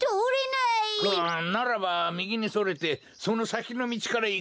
ならばみぎにそれてそのさきのみちからいこう！